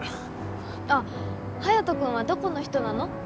あっハヤト君はどこの人なの？